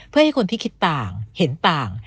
เพื่อให้คนที่คิดต่างเห็นต่าง